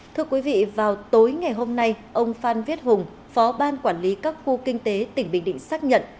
thưa quý vị vào tối ngày hôm nay ông phan viết hùng phó ban quản lý các khu kinh tế tỉnh bình định xác nhận